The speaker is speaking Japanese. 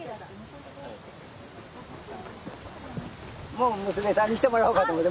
もう娘さんにしてもらおうかと思って。